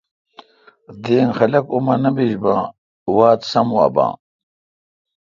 دینگ خلق اماں نہ بیش باں وات سم وا باں